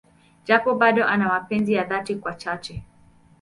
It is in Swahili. Japo bado ana mapenzi ya dhati kwa Cheche.